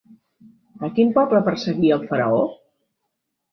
A quin poble perseguia el faraó?